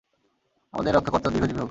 আমাদের রক্ষাকর্তা দীর্ঘজীবী হোক।